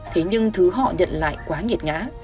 thế nhưng thứ họ nhận lại quá nghiệt ngã